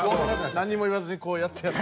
何も言わずにこうやって。